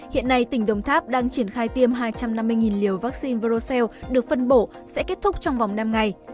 hiện nay tỉnh đồng tháp đang triển khai tiêm hai trăm năm mươi liều vaccine roseel được phân bổ sẽ kết thúc trong vòng năm ngày